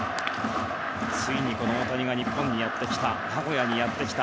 ついに大谷が日本にやってきた名古屋にやってきた